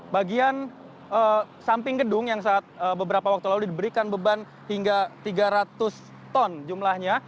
bagian samping gedung yang saat beberapa waktu lalu diberikan beban hingga tiga ratus ton jumlahnya